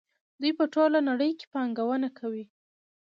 دوی په ټوله نړۍ کې پانګونه کوي.